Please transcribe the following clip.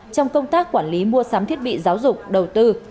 trong công tác quản lý mua sắm thiết bị giáo dục đầu tư